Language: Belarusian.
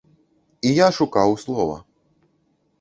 І я шукаў слова.